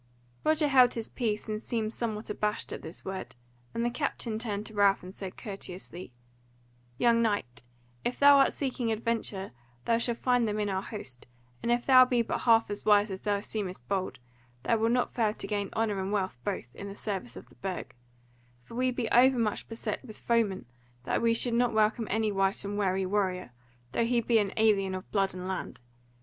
Roger held his peace and seemed somewhat abashed at this word, and the captain turned to Ralph and said courteously: "Young knight, if thou art seeking adventures, thou shalt find them in our host; and if thou be but half as wise as thou seemest bold, thou wilt not fail to gain honour and wealth both, in the service of the Burg; for we be overmuch beset with foemen that we should not welcome any wight and wary warrior, though he be an alien of blood and land.